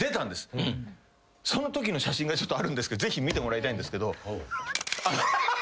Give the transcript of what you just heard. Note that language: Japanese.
そのときの写真があるんですけどぜひ見てもらいたいんですけど。